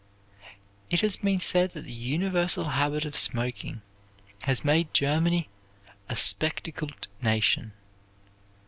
It has been said that the universal habit of smoking has made Germany "a spectacled nation."